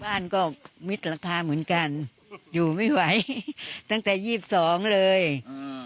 บ้านก็มิดราคาเหมือนกันอยู่ไม่ไหวตั้งแต่ยี่สิบสองเลยอ่า